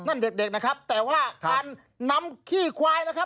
เด็กเด็กนะครับแต่ว่าการนำขี้ควายนะครับ